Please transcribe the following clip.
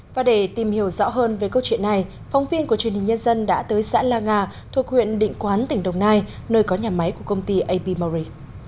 và để tìm hiểu rõ hơn về câu chuyện này phóng viên của truyền hình nhân dân đã tới xã la nga thuộc huyện định quán tỉnh đồng nai nơi có nhà máy của công ty ab mauri